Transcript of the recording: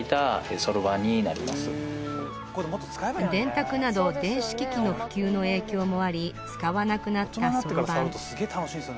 電卓など電子機器の普及の影響もあり使わなくなったそろばん